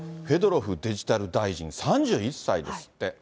フェドロフデジタル大臣、３１歳ですって。